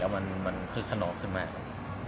แล้วมันมันขึ้นขนอกขึ้นมากครับ